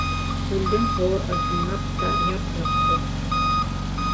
Күлдең һыуы ысынлап та яп-яҡты.